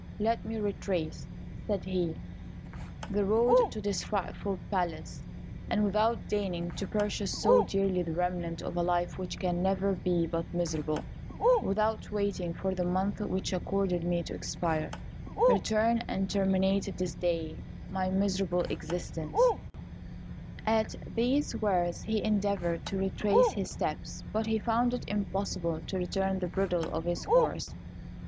Let me retrace," said he, "the road to this frightful palace, and without deigning to purchase so dearly the remnant of a life which can never be but miserable without waiting for the month which is accorded me to expire, return and terminate this day my miserable existence!" [Illustration: Beauty and the Beast. P. 236.] At these words he endeavoured to retrace his steps, but he found it impossible to turn the bridle of his horse.